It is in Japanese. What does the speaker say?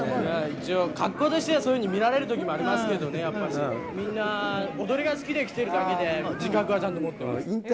一応、格好としては、そういうふうに見られるときもありますけどね、みんな踊りが好きで来てるだけで、自覚はちゃんと持っています。